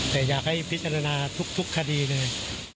แต่อยากให้พิจารณาทุกคดีเลย